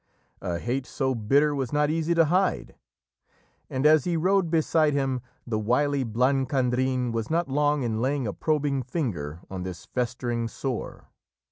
A hate so bitter was not easy to hide, and as he rode beside him the wily Blancandrin was not long in laying a probing finger on this festering sore.